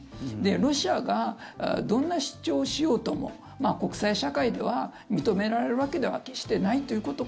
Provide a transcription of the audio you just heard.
ロシアがどんな主張をしようとも国際社会では認められるわけでは決してないということ。